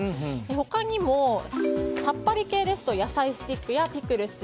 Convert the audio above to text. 他にも、さっぱり系ですと野菜スティックやピクルス。